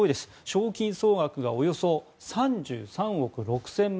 賞金総額がおよそ３３億６０００万円と。